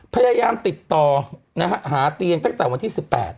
พยายามติดต่อนะฮะหาเตียงตั้งแต่วันที่๑๘